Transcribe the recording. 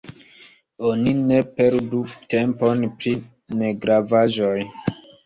Oni ne perdu tempon pri negravaĵoj.